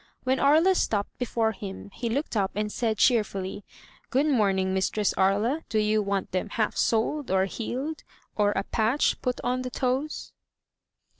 When Aria stopped before him he looked up and said, cheerfully: "Good morning, Mistress Aria. Do you want them half soled, or heeled, or a patch put on the toes?'